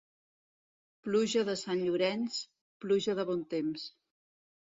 Pluja de Sant Llorenç, pluja de bon temps.